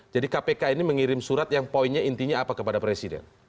jadi kpk ini mengirim surat yang poinnya intinya apa kepada presiden